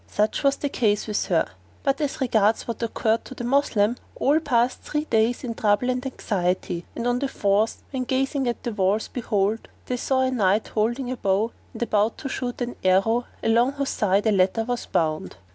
Such was the case with her; but as regards what occurred to the Moslems, all passed three days in trouble and anxiety, and on the fourth when gazing at the walls behold, they saw a knight holding a bow and about to shoot an arrow along whose side a letter was bound.